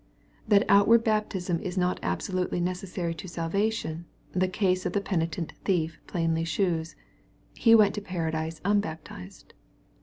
— That outward baptism is not absolutely necessary to salvation, the case of the penitent thief plainly shews. He went to paradise unbaptized.